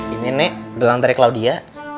ini nek gelang dari claudia